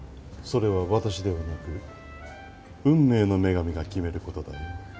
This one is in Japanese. それは私ではなく運命の女神が決めることだよ。